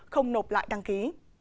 không nộp lại đăng ký